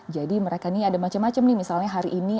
jadi mereka nih ada macam macam nih misalnya hari ini